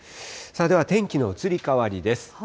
では天気の移り変わりです。